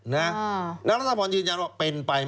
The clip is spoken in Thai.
นางลัตนาพรอยืนยังว่าเป็นไปไหม